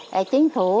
để chính phủ